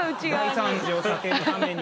大惨事を避けるために。